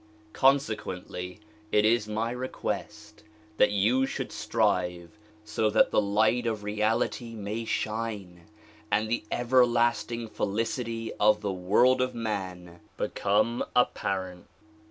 Consequently it is my request that you should strive so that the light of reality may shine and the everlasting felicity of the world of man become apparent.